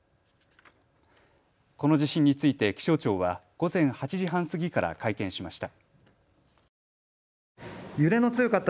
この地震について気象庁は午前８時半過ぎから会見しました。